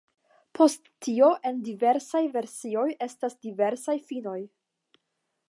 Post tio en diversaj versioj estas diversaj finoj.